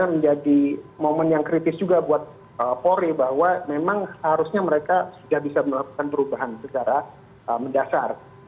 ini menjadi momen yang kritis juga buat polri bahwa memang harusnya mereka sudah bisa melakukan perubahan secara mendasar